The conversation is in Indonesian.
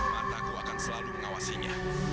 mataku akan selalu mengawasinya